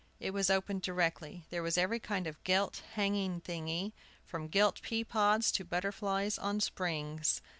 It was opened directly. There was every kind of gilt hanging thing, from gilt pea pods to butterflies on springs.